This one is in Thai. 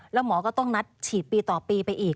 แล้วหมอก็ต้องนัดฉีดปีต่อปีไปอีก